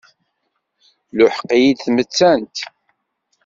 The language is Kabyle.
Tluḥeq-iyi-d tmettant.